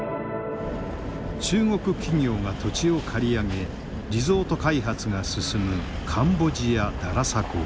中国企業が土地を借り上げリゾート開発が進むカンボジア・ダラサコー。